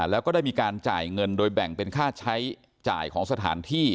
แล้วก็ได้มีการจ่ายเงินโดยแบ่งเป็นค่าใช้จ่ายของสถานที่